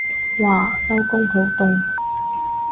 嘩收工好凍